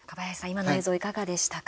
今の映像いかがでしたか。